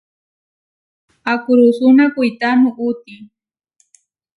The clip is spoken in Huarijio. Akurúsuna kuitá nuʼúti.